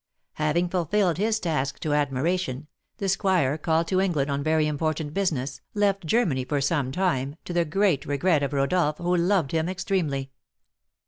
Having fulfilled his task to admiration, the squire, called to England on very important business, left Germany for some time, to the great regret of Rodolph, who loved him extremely.